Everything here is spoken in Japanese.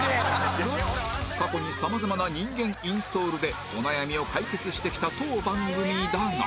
過去に様々な人間インストールでお悩みを解決してきた当番組だが